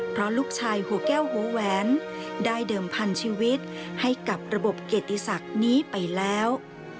เพราะลูกชายหัวแก้วหัวแหวนได้เดิมพันชีวิตให้กับระบบเกียรติศักดิ์นี้ไปแล้ว